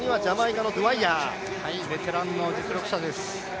ベテランの実力者です。